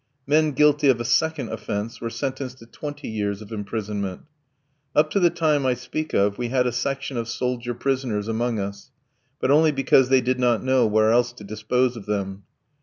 Men guilty of a second offence were sentenced to twenty years of imprisonment. Up to the time I speak of, we had a section of soldier prisoners among us, but only because they did not know where else to dispose of them.